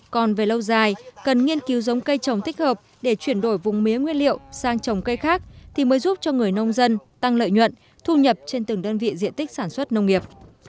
còn về lâu dài cần nghiên cứu giống cây trồng thích hợp để chuyển đổi vùng mía nguyên liệu sang trồng cây khác thì mới giúp cho người nông dân tăng lợi nhuận thu nhập trên từng đơn vị diện tích sản xuất nông nghiệp